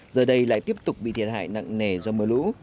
giờ đây lại tiếp tục bị thiệt hại nặng nề do mưa lũ